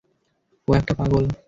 ও একটা পাগল।